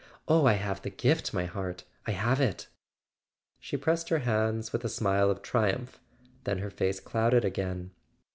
Oh, I have the gift, my heart, I have it!" She pressed his hands with a smile of triumph; then her face clouded again.